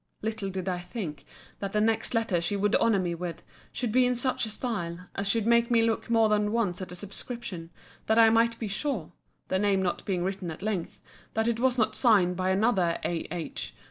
Little did I think, that the next letter she would honour me with, should be in such a style, as should make me look more than once at the subscription, that I might be sure (the name not being written at length) that it was not signed by another A.H.